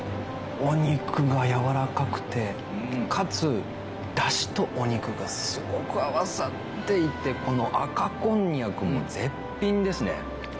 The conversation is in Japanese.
お肉が軟らかくてかつダシとお肉がすごく合わさっていてこの赤コンニャクも絶品ですね